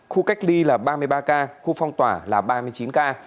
khu cách ly là ba mươi ba ca khu phong tỏa là ba mươi chín ca